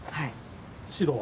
白は？